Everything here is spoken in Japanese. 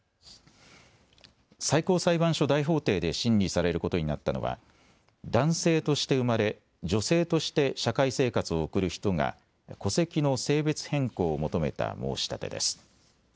最高裁判所大法廷で審理されることになったのは男性として生まれ、女性として社会生活を送る人が戸籍の性別変更を求めた申し立てです。